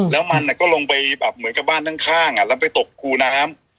แล้วมันก็ลงไปแบบเหมือนกับบ้านข้างแล้วไปตกคูน้ำ